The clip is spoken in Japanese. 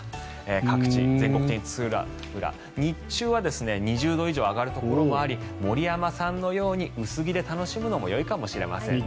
各地、全国的に津々浦々日中は２０度以上に上がるところもあり森山さんのように薄着で楽しむのもいいかもしれないですね。